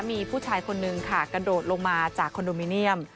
มีผู้ชายคนนึงค่ะกระโดดลงมาจากคอนโดมิเนียม